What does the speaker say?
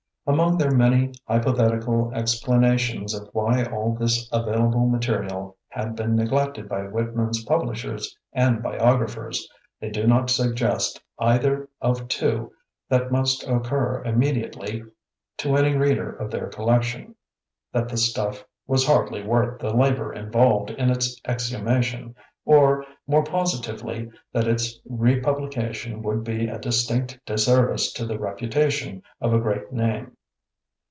Among their many h3rpothetical ex planations of why all this available material had been neglected by Whit man's publishers and biographers, they do not suggest either of two that must occur immediately to any reader of their collection — ^that the stuff wriS hardly worth the labor involved in its exhumation or, more positively, that its republication would be a distinct disservice to the reputation of a great name.